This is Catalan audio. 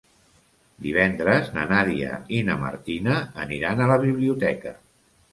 Divendres na Nàdia i na Martina aniran a la biblioteca.